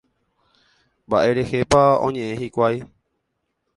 Mba'e rehépa oñe'ẽ hikuái.